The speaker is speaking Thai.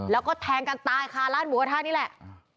แล้วก็แทงกันตายค่ะร้านหมูกระทะนี่แหละ